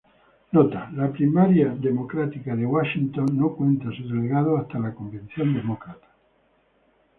Nota: La primaria democrática de Washington no cuenta sus delegados hasta la convención demócrata.